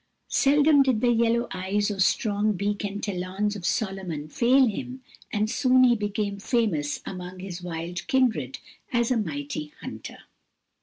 Seldom did the yellow eyes or strong beak and talons of Solomon fail him, and soon he became famous among his wild kindred as a mighty hunter.